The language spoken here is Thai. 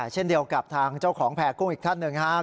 เช่นเดียวกับทางเจ้าของแพร่กุ้งอีกท่านหนึ่งครับ